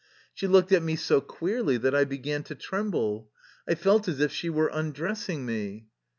She looked at me so queerly that I began to tremble. I felt as if she were undressing me.